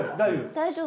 大丈夫？